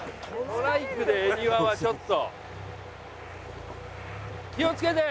トライクで恵庭はちょっと。